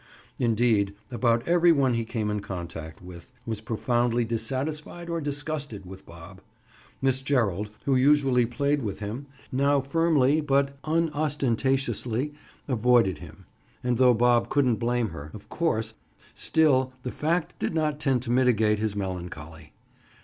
Indeed, about every one he came in contact with was profoundly dissatisfied or disgusted with Bob. Miss Gerald, who usually played with him, now firmly but unostentatiously, avoided him, and though Bob couldn't blame her, of course, still the fact did not tend to mitigate his melancholy.